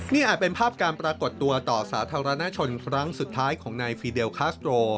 นี่อาจเป็นภาพการปรากฏตัวต่อสาธารณชนครั้งสุดท้ายของนายฟีเดลคาสโตร